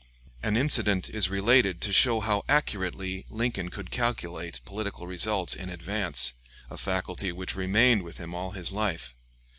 An incident is related to show how accurately Lincoln could calculate political results in advance a faculty which remained with him all his life.